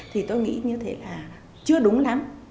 thì tôi nghĩ như thế là chưa đúng lắm